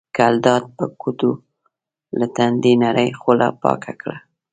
ګلداد په ګوتو له تندي نرۍ خوله پاکه کړه.